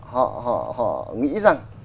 họ nghĩ rằng